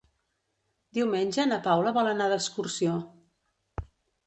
Diumenge na Paula vol anar d'excursió.